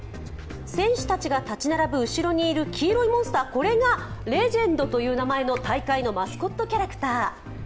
選手たちが立ち並ぶ後ろにいる黄色いモンスター、これがレジェンドという名前の大会のマスコットキャラクター。